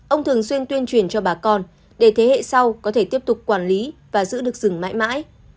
ông thường xuyên tuyên truyền cho bà con để thế hệ sau có thể tiếp tục quản lý và giữ được rừng mãi mãi